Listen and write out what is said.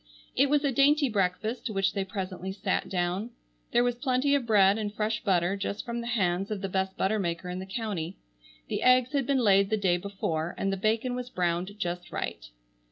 It was a dainty breakfast to which they presently sat down. There was plenty of bread and fresh butter just from the hands of the best butter maker in the county; the eggs had been laid the day before, and the bacon was browned just right.